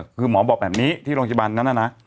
คือหมอบอกแบบนี้ที่โรงพยาบาลนั้นน่ะนะ